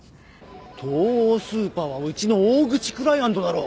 東王スーパーはうちの大口クライアントだろう。